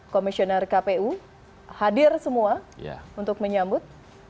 komisioner kpu hadir semua untuk menyambut